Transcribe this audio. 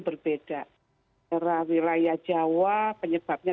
berbeda karena wilayah jawa penyebabnya